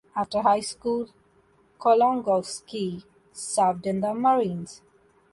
After High school, Kulongoski served in the Marines.